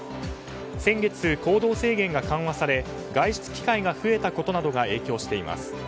先月、行動制限が緩和され外出機会が増えたことなどが影響しています。